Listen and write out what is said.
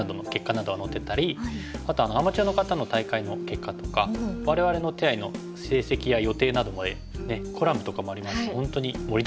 あとアマチュアの方の大会の結果とか我々の手合の成績や予定などもコラムとかもありますし本当に盛りだくさんですよね。